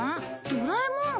ドラえもん。